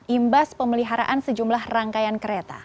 imbas pemeliharaan sejumlah rangkaian kereta